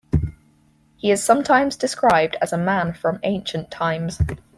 He is sometimes described as a man from ancient times.